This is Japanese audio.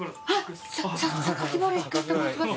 榊原郁恵と申します。